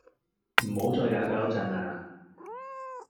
唔好再搞搞震呀